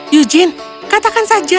eugene katakan saja